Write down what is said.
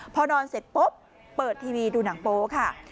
พอนอนเสร็จปุ๊บเปิดทีวีดูหนังโป๊ค่ะ